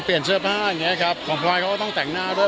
เปลี่ยนเสื้อผ้าของพลอยเขาก็ต้องแต่งหน้าด้วย